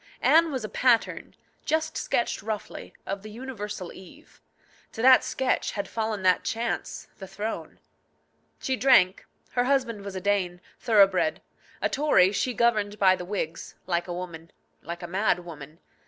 Anne was a pattern just sketched roughly of the universal Eve. To that sketch had fallen that chance, the throne. She drank. Her husband was a Dane, thoroughbred. A Tory, she governed by the Whigs like a woman, like a mad woman.